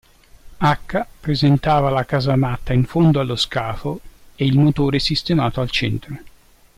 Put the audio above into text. H, presentava la casamatta in fondo allo scafo e il motore sistemato al centro.